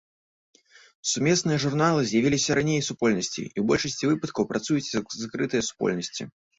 Сумесныя журналы з'явіліся раней супольнасцей і ў большасці выпадкаў працуюць як закрытыя супольнасці.